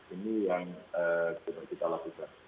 ini yang kita lakukan